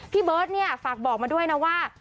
พี่เบิร์ตเนี่ยฝากบอกมาด้วยนะว่า